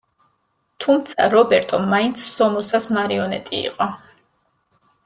თუმცა, რობერტო მაინც სომოსას მარიონეტი იყო.